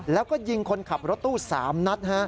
แล้วก็ยิงคนขับรถตู้๓นัด